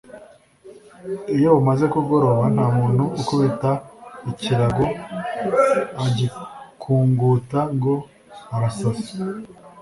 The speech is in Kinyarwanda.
Iyo bumaze kugoroba, nta muntu ukubita ikirago agikunguta, ngo arasara